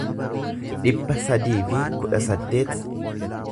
dhibba sadii fi kudha saddeet